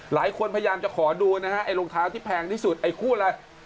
พยายามจะขอดูนะฮะไอ้รองเท้าที่แพงที่สุดไอ้คู่อะไร